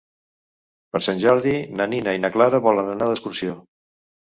Per Sant Jordi na Nina i na Clara volen anar d'excursió.